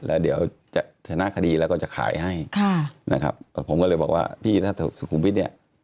แล้วเดี๋ยวจะชนะคดีแล้วก็จะขายให้ค่ะนะครับผมก็เลยบอกว่าพี่ถ้าสุขุมวิทย์เนี่ย